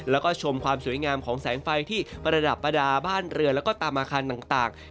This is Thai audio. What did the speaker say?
แล้วก็ชมความสวยงามของแสงไฟที่ประดับประดาษบ้านเรือแล้วก็ตามอาคารต่าง